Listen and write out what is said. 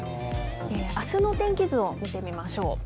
あすの天気図を見てみましょう。